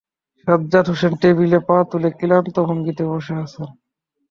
সাজ্জাদ হোসেন টেবিলে পা তুলে ক্লান্ত ভঙ্গিতে বসে আছেন।